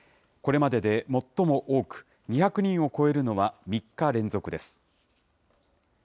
これまでで最も多く、２００人を超えるのは、３日連続です。